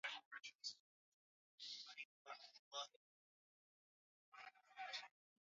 Mchanga wa matumbawe na mitende ya kifahari